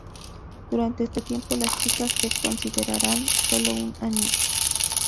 Durante este tiempo, las chicas te considerarán sólo un "amigo".